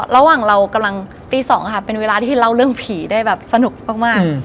ระหว่างเรากำลังตี๒ค่ะเป็นเวลาที่เราเล่าเรื่องผีได้แบบสนุกมาก